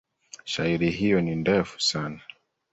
Shairi hiyo ni ndefu sana.